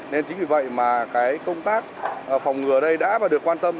nên chính vì vậy mà cái công tác phòng ngừa ở đây đã và được quan tâm